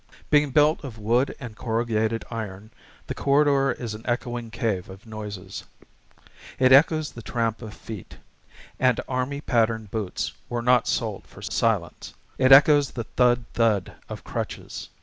Being built of wood and corrugated iron, the corridor is an echoing cave of noises. It echoes the tramp of feet and army pattern boots were not soled for silence. It echoes the thud thud of crutches.